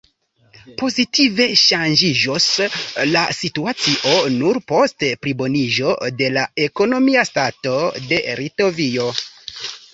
Pozitive ŝanĝiĝos la situacio nur post pliboniĝo de la ekonomia stato de Litovio.